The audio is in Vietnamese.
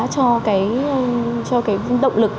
cho cái động lực